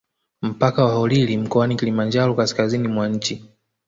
Mpaka wa Holili mkoani Kilimanjaro kaskazizini mwa nchi